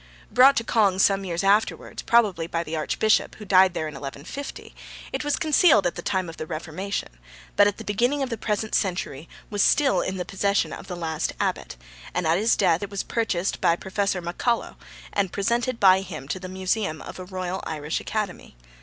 Brought to Cong some years afterwards, probably by the archbishop, who died there in 1150, it was concealed at the time of the Reformation, but at the beginning of the present century was still in the possession of the last abbot, and at his death it was purchased by professor MacCullagh and presented by him to the museum of the Royal Irish Academy.